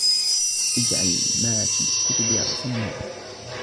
اجْعَلْ مَا فِي الْكُتُبِ رَأْسَ الْمَالِ